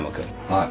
はい。